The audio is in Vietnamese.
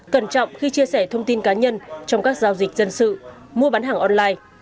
cẩn trọng khi chia sẻ thông tin cá nhân trong các giao dịch dân sự mua bán hàng online